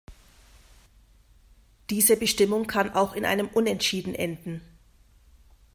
Diese Bestimmung kann auch in einem Unentschieden enden.